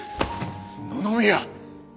野々宮！